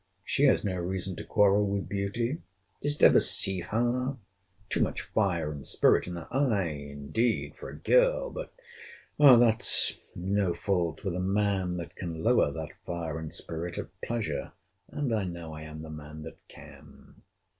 She has no reason to quarrel with beauty!—Didst ever see her?—Too much fire and spirit in her eye, indeed, for a girl!—But that's no fault with a man that can lower that fire and spirit at pleasure; and I know I am the man that can.